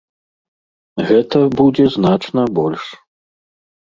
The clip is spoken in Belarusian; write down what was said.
Гэта будзе значна больш.